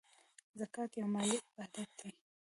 زکات یو مالی عبادت دی .